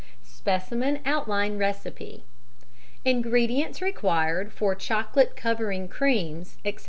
SPECIMEN OUTLINE RECIPE. Ingredients required for chocolate for covering cremes, etc.